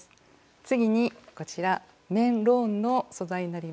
次にこちら綿ローンの素材になります。